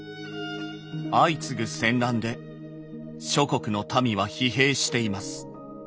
「相次ぐ戦乱で諸国の民は疲弊しています。